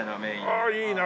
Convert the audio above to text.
ああいいな！